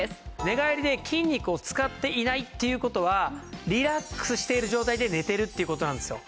寝返りで筋肉を使っていないっていう事はリラックスしている状態で寝てるっていう事なんですよ。